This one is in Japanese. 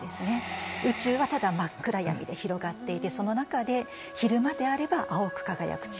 宇宙はただ真っ暗闇で広がっていてその中で昼間であれば青く輝く地球。